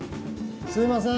すいません。